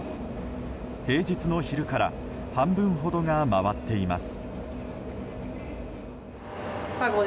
平日の昼から半分ほどが回ってます。